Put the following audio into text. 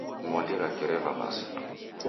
Ng'ondi rake reva masa.